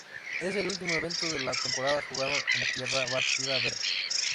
Es el único evento de la temporada jugado en tierra batida verde.